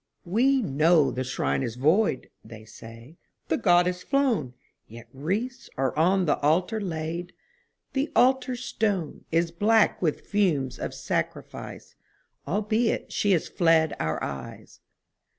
"We know the Shrine is void," they said, "The Goddess flown Yet wreaths are on the Altar laid The Altar Stone Is black with fumes of sacrifice, Albeit She has fled our eyes.